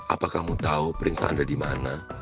apa kamu tau prinsa anda dimana